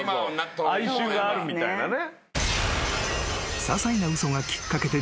哀愁があるみたいなね。